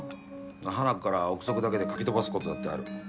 まあはなっから憶測だけで書き飛ばすことだってある。